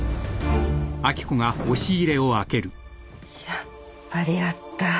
やっぱりあった。